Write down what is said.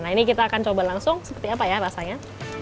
nah ini kita akan coba langsung seperti apa ya rasanya